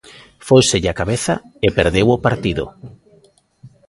Fóiselle a cabeza e perdeu o partido.